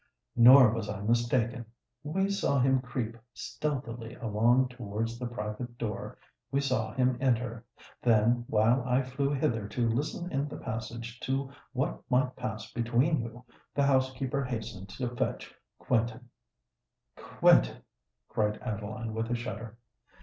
Nor was I mistaken. We saw him creep stealthily along towards the private door: we saw him enter. Then, while I flew hither to listen in the passage to what might pass between you, the housekeeper hastened to fetch Quentin——" "Quentin!" cried Adeline, with a shudder.